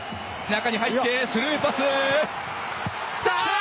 中に入って、スルーパス。